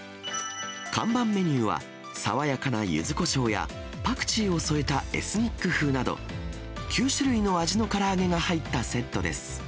看板メニューは、爽やかなゆずこしょうや、パクチーを添えたエスニック風など、９種類の味のから揚げが入ったセットです。